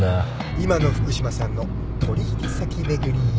今の福島さんの取引先巡り。